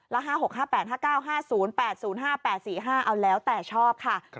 ๕๖๕๘๕๙๕๐๘๐๕๘๔๕เอาแล้วแต่ชอบค่ะ